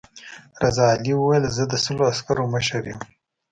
رضا علي وویل زه د سلو عسکرو مشر یم.